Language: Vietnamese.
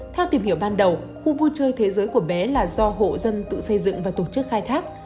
theo tìm hiểu ban đầu khu vui chơi thế giới của bé là do hộ dân tự xây dựng và tổ chức khai thác